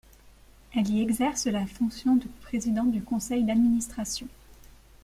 Elle y exerce la fonction de Présidente du Conseil d'Administration.